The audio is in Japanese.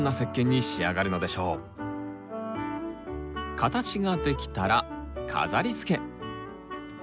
形が出来たら飾りつけ。